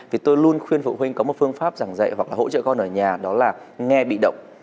vì tôi luôn khuyên phụ huynh có một phương pháp giảng dạy hoặc là hỗ trợ con ở nhà đó là nghe bị động